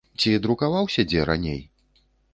Ці друкаваўся дзе раней?